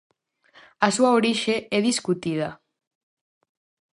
A súa orixe é discutida.